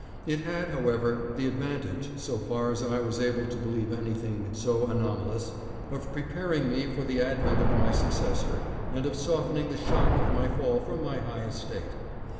It had, however, the advantage, so far as I was able to believe anything so anomalous, of preparing me for the advent of my successor, and of softening the shock of my fall from my high estate.